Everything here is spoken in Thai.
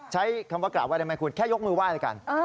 ใช้คำว่ากราบไห้ได้ไหมคุณแค่ยกมือไห้แล้วกัน